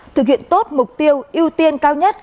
thực hiện tốt mục tiêu ưu tiên cao nhất